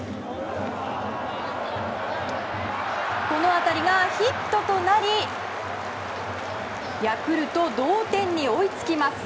この当たりがヒットとなりヤクルト同点に追いつきます。